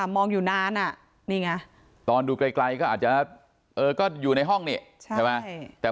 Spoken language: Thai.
มองอยู่นานนี่ไงตอนดูไกลก็อาจจะก็อยู่ในห้องนี่ใช่ไหม